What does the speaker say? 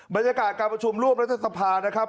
บรรยากาศการประชุมร่วมรัฐสภานะครับ